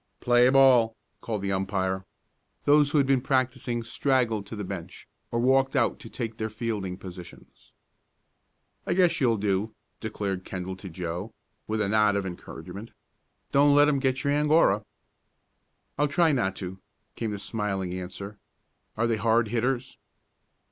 "Play ball!" called the umpire. Those who had been practicing straggled to the bench, or walked out to take their fielding positions. "I guess you'll do," declared Kendall to Joe, with a nod of encouragement. "Don't let 'em get your Angora." "I'll try not to," came the smiling answer. "Are they hard hitters?"